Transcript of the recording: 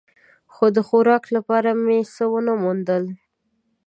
خو د خوراک لپاره مې څه و نه موندل.